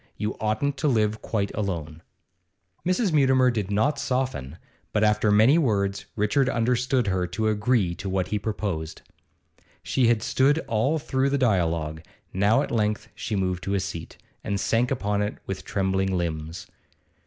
You oughtn't to live quite alone.' Mrs. Mutimer did not soften, but, after many words, Richard understood her to agree to what he proposed. She had stood all through the dialogue; now at length she moved to a seat, and sank upon it with trembling limbs.